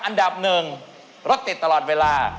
อันดับ๑รกติดตลอดเวลา